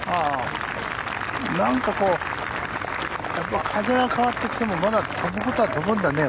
なんか風が変わってきてもまだ飛ぶことは飛ぶんだね